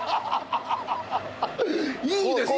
いいですね！